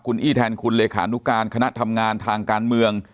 คุณอี้แทนคุณเลขานุการคณะทำงานทางการเมือง